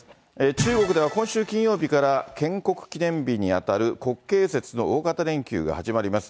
中国では今週金曜日から建国記念日にあたる国慶節の大型連休が始まります。